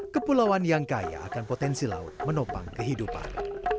kepulauan yang kaya akan potensi laut menopang kehidupan